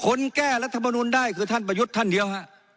แก้รัฐมนุนได้คือท่านประยุทธ์ท่านเดียวฮะ